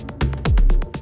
aku mau ke rumah